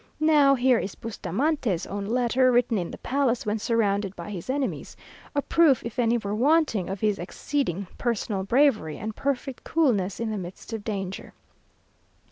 Now here is Bustamante's own letter, written in the palace, when surrounded by his enemies; a proof, if any were wanting, of his exceeding personal bravery, and perfect coolness in the midst of danger.